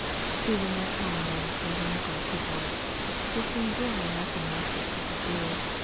Susan went home then to her neglected work. There seemed really nothing else that she could do.